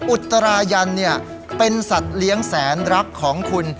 อุตรายันเนี้ยเป็นสัตว์เลี้ยงแสนลักษณ์ของคุณ